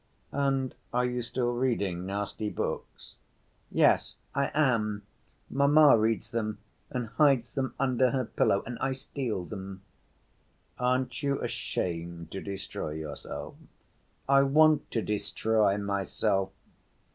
"And are you still reading nasty books?" "Yes, I am. Mamma reads them and hides them under her pillow and I steal them." "Aren't you ashamed to destroy yourself?" "I want to destroy myself.